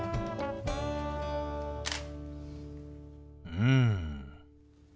うん。